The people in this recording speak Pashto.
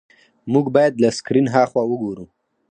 موږ باید له سکرین هاخوا وګورو.